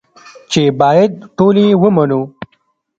چې بايد ټول يې ومنو.